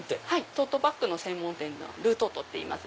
トートバッグの専門店のルートートっていいます。